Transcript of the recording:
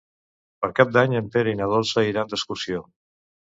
Per Cap d'Any en Pere i na Dolça iran d'excursió.